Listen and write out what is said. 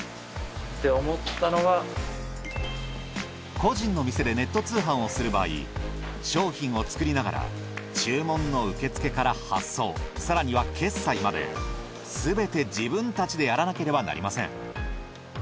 個人の店でネット通販をする場合商品を作りながら注文の受け付けから発送更には決済まですべて自分たちでやらなければなりません。